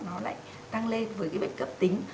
nó lại tăng lên với cái bệnh cấp tính